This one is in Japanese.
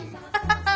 ハハハッ！